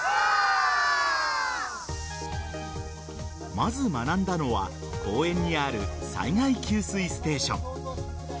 まず学んだのは公園にある災害給水ステーション。